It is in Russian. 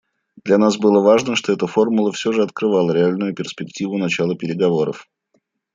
Для нас было важно, что эта формула все же открывала реальную перспективу начала переговоров.